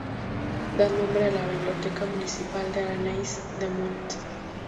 Da nombre a la biblioteca municipal de Arenys de Munt.